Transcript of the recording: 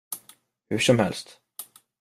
Hur som helst.